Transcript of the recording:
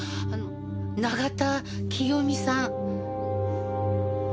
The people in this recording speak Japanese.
あの永田清美さん。